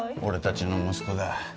俺たちの息子だ。